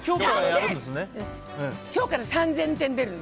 今日から３０００点出る。